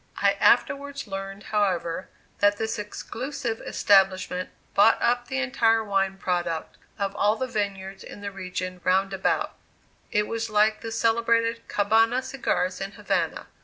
I afterwards learned, however, that this exclusive establishment bought up the entire wine product of all the vineyards in the region round about it was like the celebrated "Cabana" cigars in Havana.